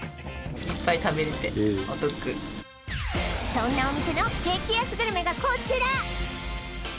そんなお店の激安グルメがこちら！